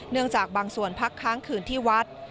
จากบางส่วนพักค้างคืนที่วัด